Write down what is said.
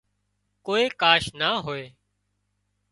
ڪوئي ڪاش نا هوئي